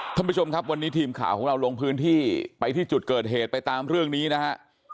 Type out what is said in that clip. ท่านผู้ชมครับวันนี้ทีมข่าวของเราลงพื้นที่ไปที่จุดเกิดเหตุไปตามเรื่องนี้นะฮะ